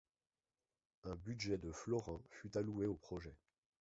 Un budget de florins fut alloué au projet.